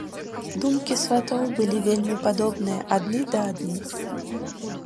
Думкі сватоў былі вельмі падобныя адны да адных.